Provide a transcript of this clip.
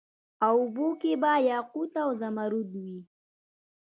او اوبو کي به یاقوت او زمرود وي